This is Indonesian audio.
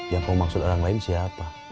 yang kamu maksud orang lain siapa